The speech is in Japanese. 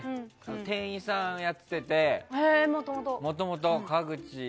店員さんやってて、もともと。